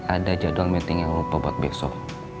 ada jadwal meeting yang lompa buat besok